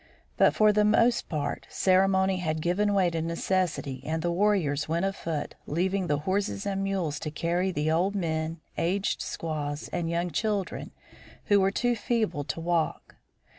But for the most part ceremony had given way to necessity and the warriors went afoot, leaving the horses and mules to carry the old men, aged squaws, and young children, who were too feeble to walk.